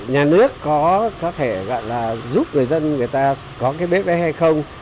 nhà nước có thể giúp người dân có cái bếp đấy hay không